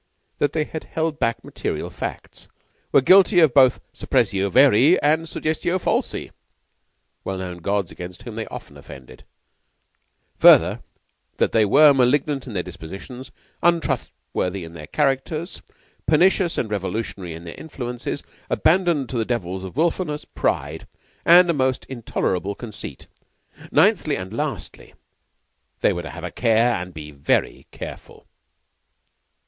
that they had held back material facts; were guilty both of suppressio veri and suggestio falsi (well known gods against whom they often offended); further, that they were malignant in their dispositions, untrustworthy in their characters, pernicious and revolutionary in their influences, abandoned to the devils of wilfulness, pride, and a most intolerable conceit. Ninthly, and lastly, they were to have a care and to be very careful.